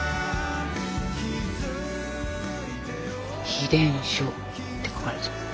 「秘伝書」って書かれてます。